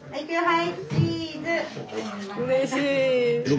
はい。